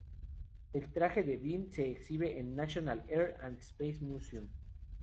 El traje de Bean se exhibe en el National Air and Space Museum.